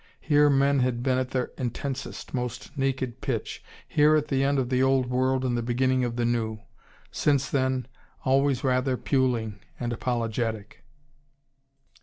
Here men had been at their intensest, most naked pitch, here, at the end of the old world and the beginning of the new. Since then, always rather puling and apologetic.